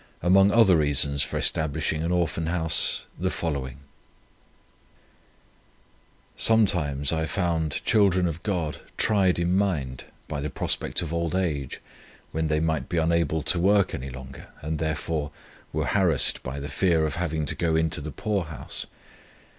among other reasons for establishing an Orphan House, the following: "Sometimes I found children of God tried in mind by the prospect of old age, when they might be unable to work any longer, and therefore were harassed by the fear of having to go into the poorhouse.